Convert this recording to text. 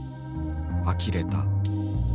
あきれた。